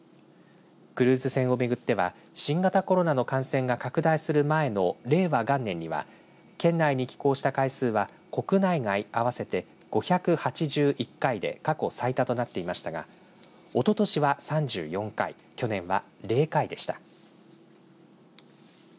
クルーズ船を巡っては新型コロナの感染が拡大する前の令和元年には県内に寄港した回数は国内外、合わせて５８１回で過去最多となっていましたがおととしは３４回去年は０回でした。